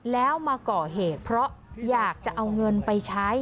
แล้วมาก่อเหตุเพราะอยากจะเอาเงินไปใช้